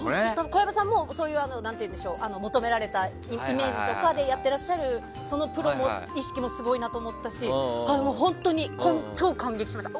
小籔さんも求められたイメージとかでやってらっしゃるプロの意識もすごいと思ったし本当に超感激しました。